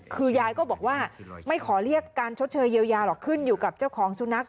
คือยายก็บอกว่าไม่ขอเรียกการชดเชยเยียวยาหรอกขึ้นอยู่กับเจ้าของสุนัข